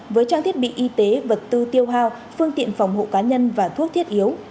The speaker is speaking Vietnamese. với trang thiết bị y tế vật tư tiêu hao phương tiện phòng hộ cá nhân và thuốc thiết yếu